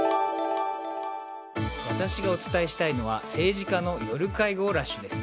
私がお伝えしたいのは政治家の夜会合ラッシュです。